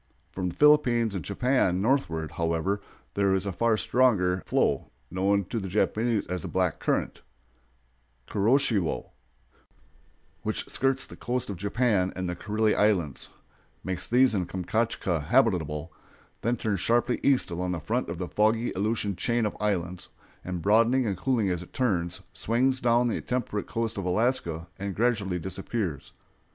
From the Philippines and Japan northward, however, there is a far stronger flow, known to the Japanese as the Black Current (Kuroshiwo), which skirts the coast of Japan and the Kurile Islands, makes these and Kamchatka habitable, then turns sharply east along the front of the foggy Aleutian chain of islands, and broadening and cooling as it turns, swings down the temperate coast of Alaska and gradually disappears.